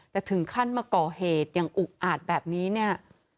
แต่ถึงขั้นมาก่อเหตุอย่างอุกอาจแบบนี้เนี่ย